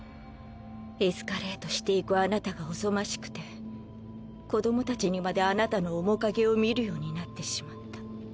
エスカレートしていくあなたがおぞましくて子ども達にまであなたの面影を見るようになってしまった。